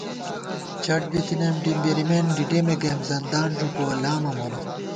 چٹ بِتَنَئیم، ڈِمبِرِمېن ڈِڈِمےگَئیم ، زندان ݫُپُوَہ لامہ مونہ